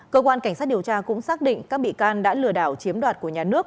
cơ quan cảnh sát điều tra cũng xác định các bị can đã lừa đảo chiếm đoạt của nhà nước